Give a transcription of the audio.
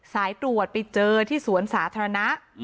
สายตรวจไปเจอที่สวนสาธารณะ